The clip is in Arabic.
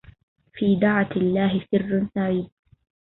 في دعة الله سر سعيدا